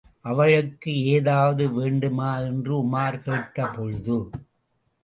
அவளுக்கு ஏதாவது வேண்டுமா என்று உமார் கேட்டபொழுது.